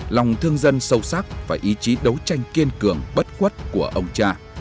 lòng thương dân sâu sắc và ý chí đấu tranh kiên cường bất quất của ông cha